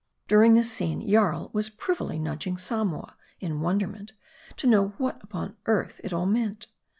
During this scene, Jarl was privily nudging Samoa, in wonderment, to know what upon earth it all meant.